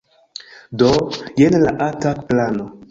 Do, jen la atak-plano